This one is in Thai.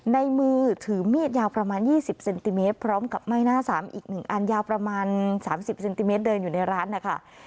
ในมือถือมีดยาวประมาณ๒๐เซนติเมตรพร้อมกับไหม้หน้า๓อีก๑อันยาวประมาณ๓๐เซนติเมตรเดินอยู่ในร้านนะคะ